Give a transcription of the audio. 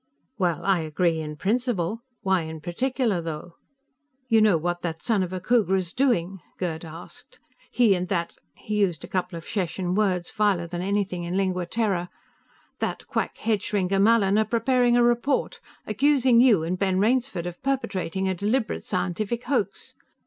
"Well, I agree, in principle; why in particular, though?" "You know what that son of a Khooghra's doing?" Gerd asked. "He and that " He used a couple of Sheshan words, viler than anything in Lingua Terra. " that quack headshrinker, Mallin, are preparing a report, accusing you and Ben Rainsford of perpetrating a deliberate scientific hoax.